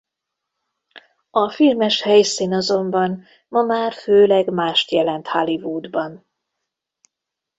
A filmes helyszín azonban ma már főleg mást jelent Hollywoodban.